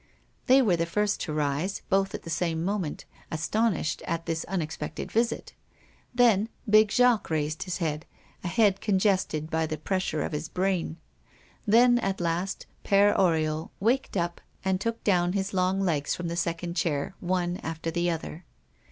They were the first to rise, both at the same moment, astonished at this unexpected visit; then, big Jacques raised his head, a head congested by the pressure of his brain; then, at last, Père Oriol waked up, and took down his long legs from the second chair one after the other.